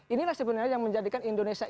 inilah sebenarnya yang menjadikan indonesia